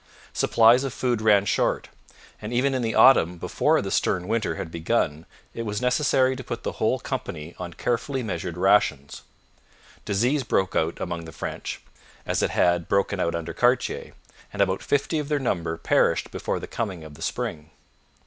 Supplies of food ran short, and even in the autumn before the stern winter had begun it was necessary to put the whole company on carefully measured rations. Disease broke out among the French, as it had broken out under Cartier, and about fifty of their number perished before the coming of the spring.